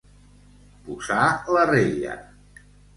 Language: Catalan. Posar la rella.